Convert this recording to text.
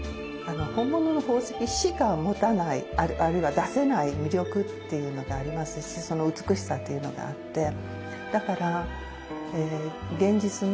本物の宝石しか持たないあるいは出せない魅力っていうのがありますしその美しさっていうのがあって。